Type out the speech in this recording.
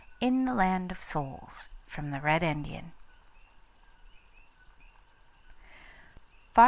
IN THE LAND OF SOULS (21) (21) From the Red Indian.